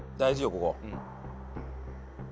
ここ。